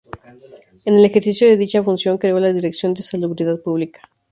En el ejercicio de dicha función creó la Dirección de Salubridad Pública.